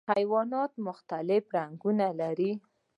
حیوانات مختلف رنګونه لري.